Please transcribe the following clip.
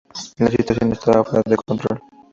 La situación estaba fuera de control.